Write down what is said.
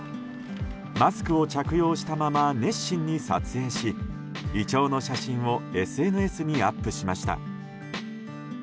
マスクを着用したまま熱心に撮影しイチョウの写真をＳＮＳにアップしました。